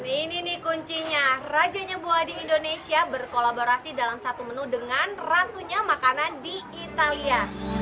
ini nih kuncinya rajanya buah di indonesia berkolaborasi dalam satu menu dengan ratunya makanan di italia